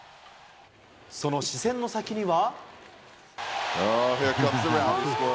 その視線の先には。